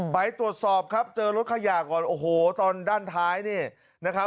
ไปตรวจสอบครับเจอรถขยะก่อนโอ้โหตอนด้านท้ายนี่นะครับ